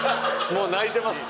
もう泣いてます。